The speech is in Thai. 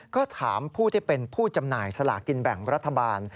ก็ถามผู้ที่เป็นผู้จำหน่ายสลากินแบ่งรัฐบาล